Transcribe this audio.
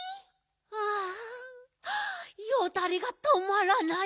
あよだれがとまらない。